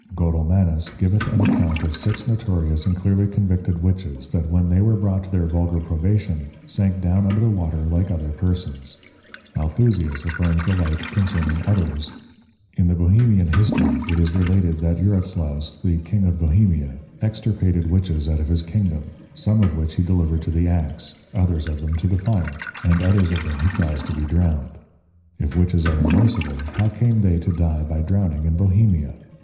Godelmannus giveth an account of six notorious and clearly convicted Witches, that when they were brought to their vulgar Probation, sunk down under the Water like other Persons; Althusius affirms the like concerning others; in the Bohemian History it is related, that Uratslaus the King of Bohemia, extirpated Witches out of his Kingdom, some of which he delivered to the Ax, others of them to the Fire, and others of them he caused to be drowned: If Witches are immersible, how came they to die by drowning in Bohemia?